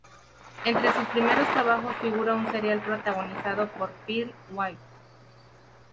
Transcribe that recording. Entre sus primeros trabajos figura un serial protagonizado por Pearl White.